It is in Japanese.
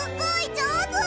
じょうず！